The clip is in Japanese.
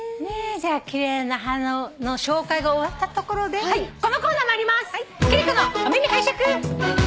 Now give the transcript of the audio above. じゃあ奇麗な花の紹介が終わったところでこのコーナー参ります！